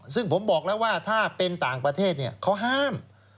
ซึ่งผมบอกแล้วว่าถ้าเป็นต่างประเทศเขาห้าม